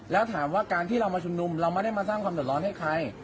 แล้วถามว่าการที่เรามาชุมนุมเราไม่ได้มาสร้างความเดือดร้อนให้ใคร